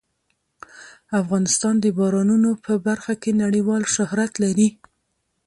افغانستان د بارانونو په برخه کې نړیوال شهرت لري.